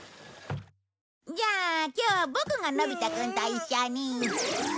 じゃあ今日はボクがのび太くんと一緒に。